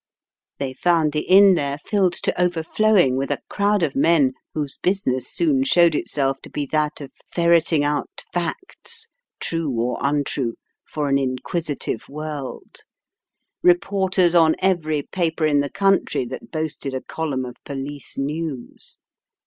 They found the Inn there filled to overflowing with a crowd of men whose business soon showed itself to be that of ferreting out facts, true or untrue, for an inquisitive world — reporters on every paper in the country that boasted a column of police news.